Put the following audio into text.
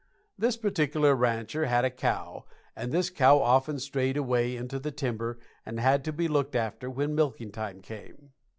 This particular rancher had a cow, and this cow often strayed away into the timber and had to be looked after when milking time came.